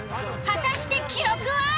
果たして記録は？